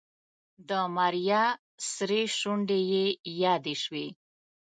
د ماريا سرې شونډې يې يادې شوې.